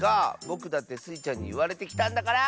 ぼくだってスイちゃんにいわれてきたんだから！